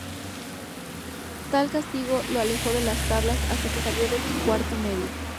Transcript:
Tal castigo lo alejó de las tablas hasta que salió de cuarto medio.